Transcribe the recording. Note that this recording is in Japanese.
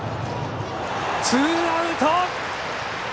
ツーアウト。